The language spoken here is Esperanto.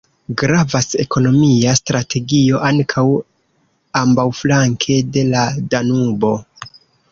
Gravas ekonomia strategio ankaŭ ambaŭflanke de la Danubo.